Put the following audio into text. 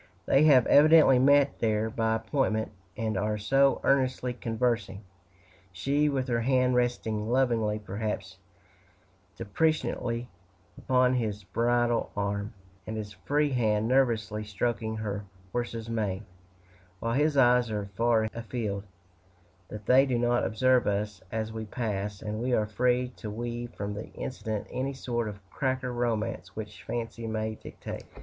They have evidently met there by appointment, and are so earnestly conversing she with her hand resting lovingly, perhaps deprecatingly, upon his bridle arm, and his free hand nervously stroking her horse's mane, while his eyes are far afield that they do not observe us as we pass; and we are free to weave from the incident any sort of cracker romance which fancy may dictate.